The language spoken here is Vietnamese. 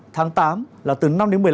tháng tám là từ năm một mươi năm